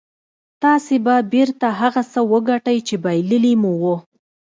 تاسې به بېرته هغه څه وګټئ چې بايللي مو وو.